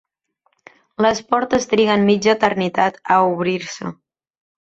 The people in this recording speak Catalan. Les portes triguen mitja eternitat a obrir-se.